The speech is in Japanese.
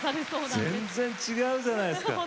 またもう全然違うじゃないですか。